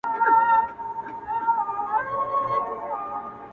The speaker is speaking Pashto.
بوډا سترګي کړلي پټي په ژړا سو!